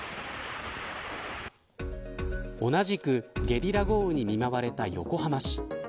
同じくゲリラ豪雨に見舞われた横浜市。